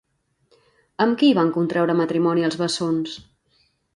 Amb qui van contreure matrimoni els bessons?